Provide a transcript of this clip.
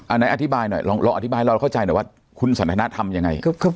อันนี้อธิบายหน่อยเราเข้าใจหน่อยว่าคุณสนัยหน้าทำยังไง